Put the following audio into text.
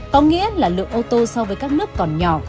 có nghĩa là lượng ô tô so với các nước còn nhỏ